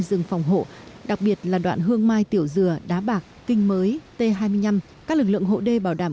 rừng phòng hộ đặc biệt là đoạn hương mai tiểu dừa đá bạc kinh mới t hai mươi năm các lực lượng hộ đê bảo đảm